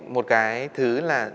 một cái thứ là